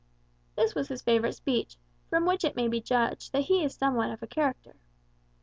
This was his favorite speech, from which it may be judged he was somewhat of a character.